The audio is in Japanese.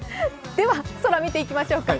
では空を見ていきましょうか。